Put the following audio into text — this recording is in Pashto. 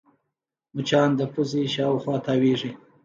مچان د پوزې شاوخوا تاوېږي